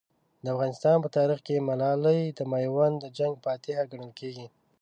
د افغانستان په تاریخ کې ملالۍ د میوند د جنګ فاتحه ګڼل کېږي.